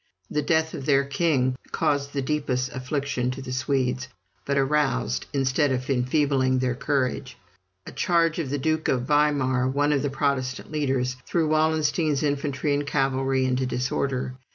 The death of their king caused the deepest affliction to the Swedes, but aroused instead of enfeebling their courage. A charge of the Duke of Weimar, one of the Protestant leaders, threw Wallenstein's infantry and cavalry into disorder.